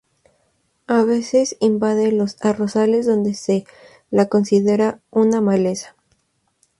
A veces invade los arrozales donde se la considera una maleza.